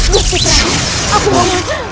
gusti prabu aku mohon